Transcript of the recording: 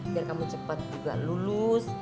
biar kamu cepat juga lulus